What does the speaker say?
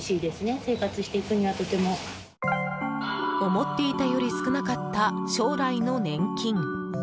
思っていたより少なかった将来の年金。